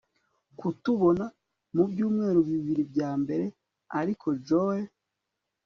Kutubona mubyumweru bibiri byambere Ariko Joe